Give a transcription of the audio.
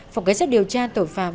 phòng kế sát điều tra tội phạm